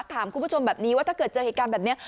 ถามคุณผู้ชมแบบนี้ว่าถ้าเกิดเจอเหตุการณ์แบบนี้